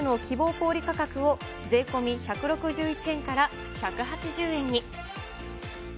小売り価格を税込み１６１円から１８０円に。